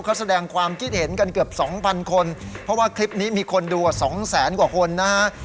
เขาแสดงความคิดเห็นกันเกือบสองพันคนเพราะว่าคลิปนี้มีคนดูสองแสนกว่าคนนะฮะ